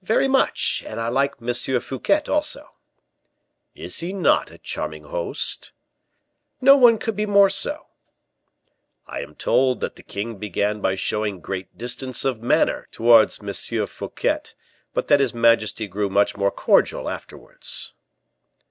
"Very much, and I like M. Fouquet, also." "Is he not a charming host?" "No one could be more so." "I am told that the king began by showing great distance of manner towards M. Fouquet, but that his majesty grew much more cordial afterwards."